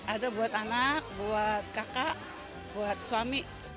ada buat anak buat kakak buat suami